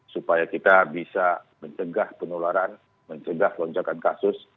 supaya kita bisa mencegah penularan mencegah lonjakan kasus